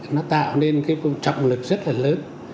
nó tạo nên cái trọng lực rất là lớn